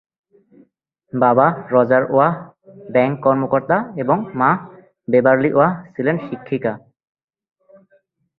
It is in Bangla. বাবা রজার ওয়াহ ব্যাংক কর্মকর্তা এবং মা বেভারলি ওয়াহ ছিলেন শিক্ষিকা।